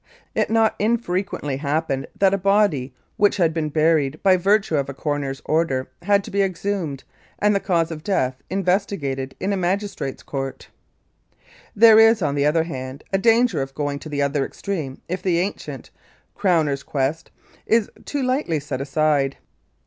It not infrequently happened that a body which had been buried by virtue of a coroner's order had to be exhumed, and the cause of death investigated in a magistrate's court. There is, on the other hand, a danger of going to the other extreme if the ancient "Crowner's quest" is too lightly set aside.